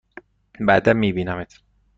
بعدا می بینمت!